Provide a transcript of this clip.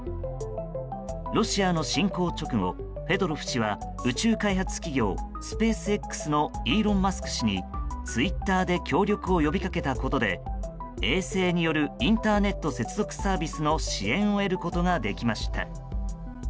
ロシアの侵攻直後フェドロフ氏は宇宙開発企業、スペースＸのイーロン・マスク氏にツイッターで協力を呼びかけたことで衛星によるインターネット接続サービスの支援を得ることができました。